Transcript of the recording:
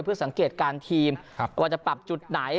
เพื่อสังเกตการณ์ทีมว่าจะปรับจุดไหน